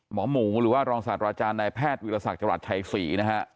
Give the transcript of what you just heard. หมอหมูหรือว่ารองศาสตร์ราชาในแพทย์วิทยาลัยศักดิ์จังหวัดไทย๔นะฮะ